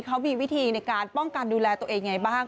เขามีวิธีในการป้องกันดูแลตัวเองยังไงบ้าง